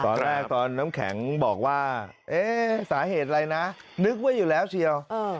ตอนแรกตอนน้ำแข็งบอกว่าสาเหตุอะไรนะนึกไว้อยู่แล้วเชียว